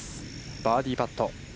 バーディーパット。